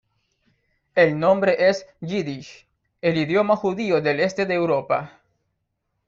El nombre es yiddish, el idioma judío del este de Europa.